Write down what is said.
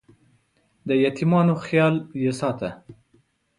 د یتیمانو خیال یې ساته.